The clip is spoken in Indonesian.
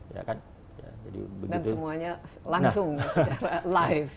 dan semuanya langsung live